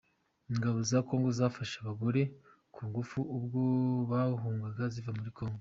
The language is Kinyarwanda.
ingabo za kongo zafashe abagore ku ngufu ubwo zahungaga ziva muri Goma